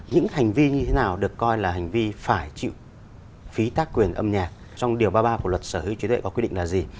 những hành vi như thế nào được coi là hành vi phải chịu phí tác quyền âm nhạc trong điều ba mươi ba của luật sở hữu trí tuệ có quy định là gì